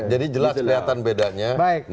jadi jelas kelihatan bedanya